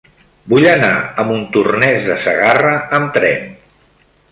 Vull anar a Montornès de Segarra amb tren.